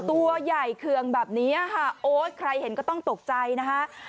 ตัวใหญ่เคืองแบบนี้ค่ะโอ๊ยใครเห็นก็ต้องตกใจนะคะ